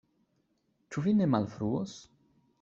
Ĉu vi ne malfruos?